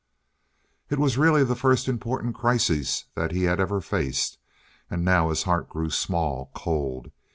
It was really the first important crisis that he had ever faced. And now his heart grew small, cold.